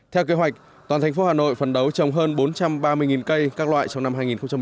theo kế hoạch toàn thành phố hà nội phấn đấu trồng hơn bốn trăm ba mươi cây các loại trong năm hai nghìn hai mươi